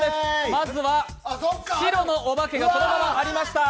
まずは白のお化けがそのままありました。